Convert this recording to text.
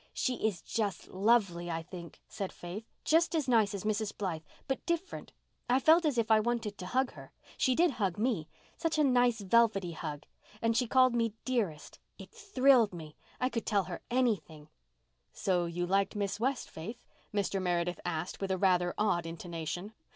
"She is just lovely, I think," said Faith. "Just as nice as Mrs. Blythe—but different. I felt as if I wanted to hug her. She did hug me—such a nice, velvety hug. And she called me 'dearest.' It thriled me. I could tell her anything." "So you liked Miss West, Faith?" Mr. Meredith asked, with a rather odd intonation.